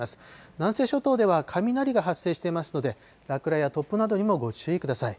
南西諸島では雷が発生していますので、落雷や突風などにもご注意ください。